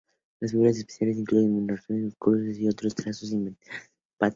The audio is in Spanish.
Las figuras especiales incluían estrellas, rosetas, cruces y otros trazados inventados por los patinadores.